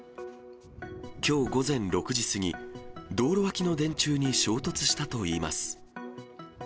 きょう午前６時過ぎ、道路脇の電柱に衝突したといいます。